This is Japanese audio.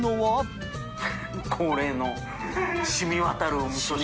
恒例染み渡るおみそ汁。